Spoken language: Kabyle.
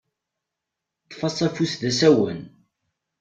Ṭṭef-as afus d asawen.